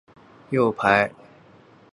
又派元行钦杀死刘仁恭的其他儿子们。